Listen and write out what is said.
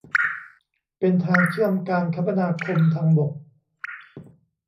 เป็นทางเชื่อมการคมนาคมทางบก